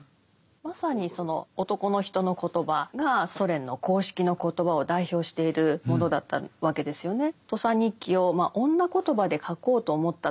まさにその男の人の言葉がソ連の公式の言葉を代表しているものだったわけですよね。